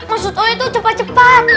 maksudnya tuh cepat cepat